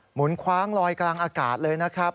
คว้างลอยกลางอากาศเลยนะครับ